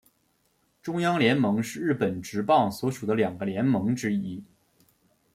中央联盟是日本职棒所属的两个联盟之一。